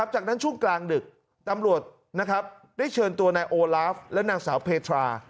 จากนั้นช่วงกลางดึกตำรวจได้เชิญตัวนายโอลาฟและนางสาวเพทรา